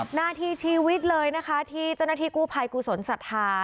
หน้าที่ชีวิตเลยนะคะที่เจ้าหน้าที่กู้ภัยกุศลศรัทธา